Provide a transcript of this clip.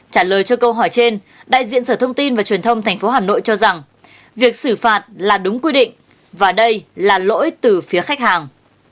trả lời cho câu hỏi trên đại diện sở thông tin và truyền thông tp hà nội cho rằng việc xử phạt là đúng quy định và đây là lỗi từ phía khách hàng